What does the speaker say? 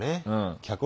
脚本